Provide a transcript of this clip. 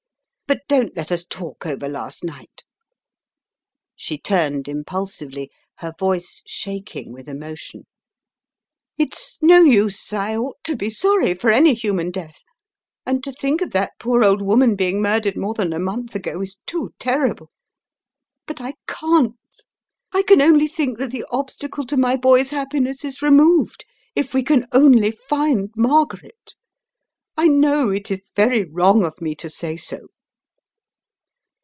But don't let us talk over last night." She turned impulsively, her voice shaking with emotion. "It's no use, I ought to be sorry for any human death — and to think of that poor old woman being murdered more than a month ago is too terrible — but I can't! I can only think that the obstacle to my boy's happi ness is removed, if we can only find Margaret. I know it is very wrong of me to say so."